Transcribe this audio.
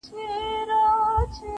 گوره وړې زيارت ته راشه زما واده دی گلې